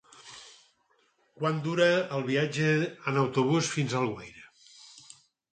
Quant dura el viatge en autobús fins a Alguaire?